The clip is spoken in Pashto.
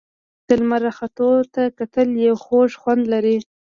د لمر راختو ته کتل یو خوږ خوند لري.